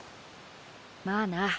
まあな。